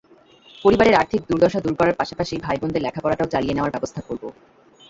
পরিবারের আর্থিক দুর্দশা দূর করার পাশাপাশি ভাইবোনদের লেখাপড়াটাও চালিয়ে নেওয়ার ব্যবস্থা করব।